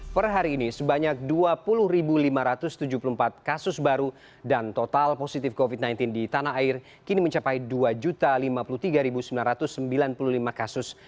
per hari ini sebanyak dua puluh lima ratus tujuh puluh empat kasus baru dan total positif covid sembilan belas di tanah air kini mencapai dua lima puluh tiga sembilan ratus sembilan puluh lima kasus